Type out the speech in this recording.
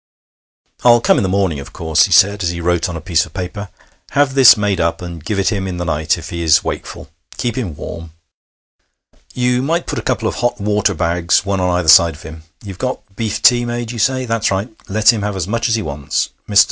'I'll come in the morning, of course,' he said, as he wrote on a piece of paper. 'Have this made up, and give it him in the night if he is wakeful. Keep him warm. You might put a couple of hot water bags, one on either side of him. You've got beef tea made, you say? That's right. Let him have as much as he wants. Mr.